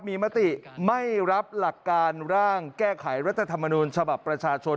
มีมติไม่รับหลักการร่างแก้ไขรัฐธรรมนูญฉบับประชาชน